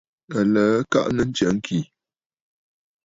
Aləə kaʼanə ntsya ŋkì.